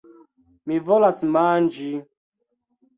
Mi volas manĝi...